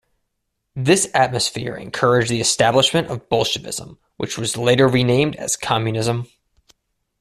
This atmosphere encouraged the establishment of Bolshevism, which was later renamed as communism.